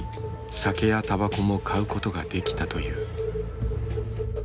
酒やたばこも買うことができたという。